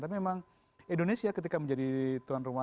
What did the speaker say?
tapi memang indonesia ketika menjadi tuan rumah